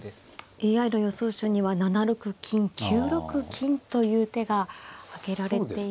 ＡＩの予想手には７六金９六金という手が挙げられていますね。